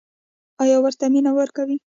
ایا ورته مینه ورکوئ؟